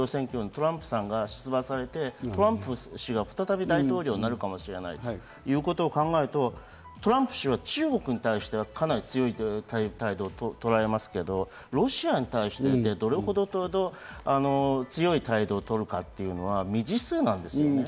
トランプ氏が出馬されて、トランプ氏が再び大統領になるかもしれないということを考えるとトランプ氏は中国に対してはかなり強いけれども、ロシアに対して、どれほど強い態度をとるかというのは未知数なんですよね。